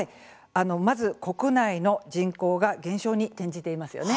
まず国内の人口が減少に転じています。